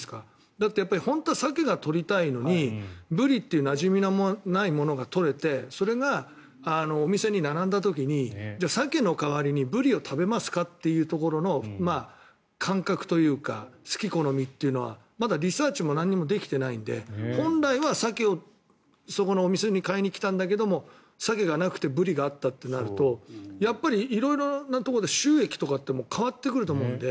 だって本当はサケが取りたいのにブリってなじみのないものが取れてそれがお店に並んだ時にサケの代わりにブリを食べますかっていうところの感覚というか好き好みというのはまだリサーチも何もできてないので本来はサケをそこのお店に買いに来たんだけどサケがなくてブリがあったとなるとやっぱり色々なところで収益とかって変わってくると思うので。